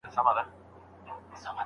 علمي تحقیق حوصله غواړي.